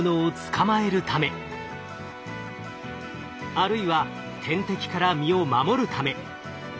あるいは天敵から身を守るため。